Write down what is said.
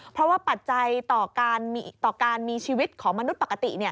เพราะว่าปัจจัยต่อการมีชีวิตของมนุษย์ปกติ